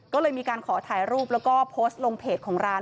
ก็เลยมีการขอถ่ายรูปแล้วก็โพสต์ลงเพจของร้าน